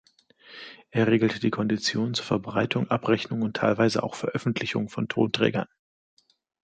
Er regelt die Konditionen zur Verbreitung, Abrechnung und teilweise auch Veröffentlichung von Tonträgern.